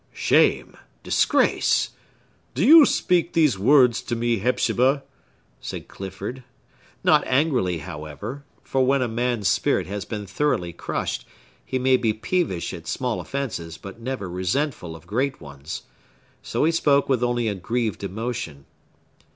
"Shame! Disgrace! Do you speak these words to me, Hepzibah?" said Clifford,—not angrily, however; for when a man's spirit has been thoroughly crushed, he may be peevish at small offences, but never resentful of great ones. So he spoke with only a grieved emotion.